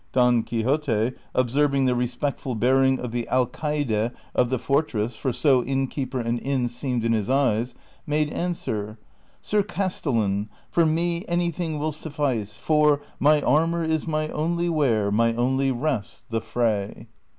Don Quixote, observing the respectful bearing of the Alcaide of the fortress (for so innkeeper and inn seemed in liis eyes), made answer, " Sir Castellan, for me any thing will suffice, for " My armor is my only wear, My only rest the fra_y."